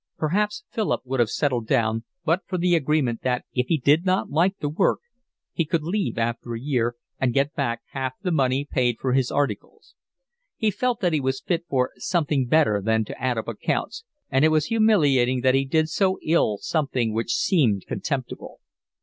Perhaps Philip would have settled down but for the agreement that if he did not like the work he could leave after a year, and get back half the money paid for his articles. He felt that he was fit for something better than to add up accounts, and it was humiliating that he did so ill something which seemed contemptible.